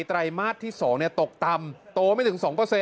ไรมาสที่๒ตกต่ำโตไม่ถึง๒